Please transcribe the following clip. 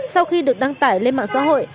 sau khi được đăng tải lên mạng xã hội